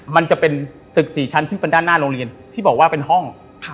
มันจะเป็นตึก๔ชั้นซึ่งเป็นด้านหน้าโรงเรียนที่บอกว่าเป็นห้อง